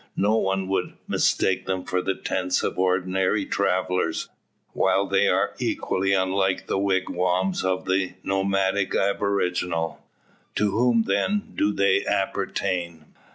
No one would mistake them for the tents of ordinary travellers, while they are equally unlike the wigwams of the nomadic aboriginal. To whom, then, do they appertain?